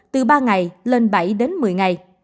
từ ba ngày lên bảy đến một mươi ngày